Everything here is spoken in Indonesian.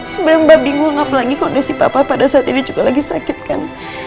sebenarnya mbak bingung apalagi kondisi papa pada saat ini juga lagi sakit kan